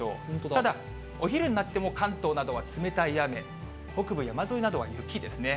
ただお昼になっても関東などは冷たい雨、北部山沿いなどは雪ですね。